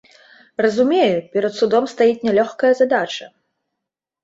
Разумею, перад судом стаіць нялёгкая задача.